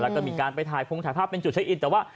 แล้วก็มีการไปถ่ายพงถ่ายภาพเป็นจุดเช็คอินแต่ว่า